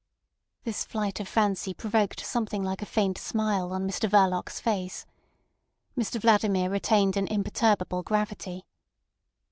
This flight of fancy provoked something like a faint smile on Mr Verloc's face. Mr Vladimir retained an imperturbable gravity.